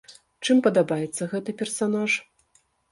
Чым падабаецца гэты персанаж?